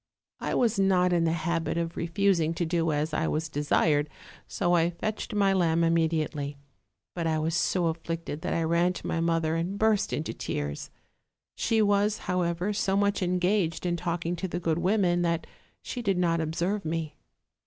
I was not in the habit of refusing to do as I was desired, so 1 fetched my lamb immediately; but I was so afflicted that I ran to iny mother and burst into tears: she was, however, so much engaged in talk ing to the good women that she did not observe me.